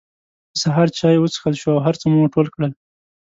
د سهار چای وڅکل شو او هر څه مو ټول کړل.